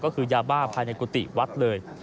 คือยาบ้ายจากกุฒิวัดเลย